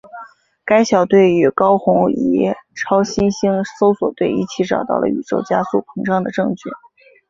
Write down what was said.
该小队与高红移超新星搜寻队一起找到了宇宙加速膨胀的证据。